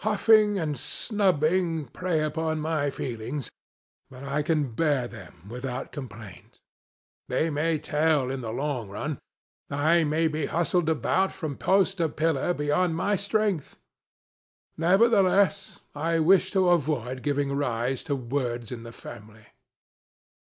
Huffing aud snubbing, prey upon my feelings ; but, I can bear them without complaint. They may tell in the long run ; I may be hustled about, from post to pillar, beyond my strength ; nevertheless, I wish to avoid giving rise to words in the family.